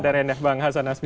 dari endah bang hasan azmi